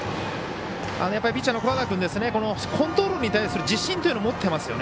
ピッチャーの古和田君コントロールに対する自信というのを持ってますね。